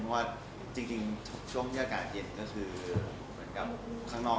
เพราะว่าจริงช่วงที่อากาศเย็นก็คือเหมือนกับข้างนอก